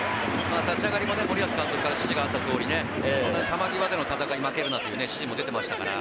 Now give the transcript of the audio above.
立ち上がりも森保監督から指示があったとおり、球際での戦いで負けるなという指示も出ていました。